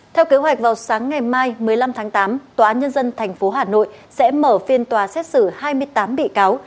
theo kế hoạch vào sáng ngày mai một mươi năm tháng tám tòa án nhân dân tp hà nội sẽ mở phiên tòa xét xử hai mươi tám bị cáo